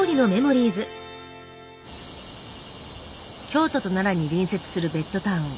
京都と奈良に隣接するベッドタウン